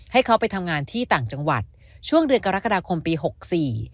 ให้เขาไปทำงานที่ต่างจังหวัดช่วงเดือนกรกฎาคมปีหกสี่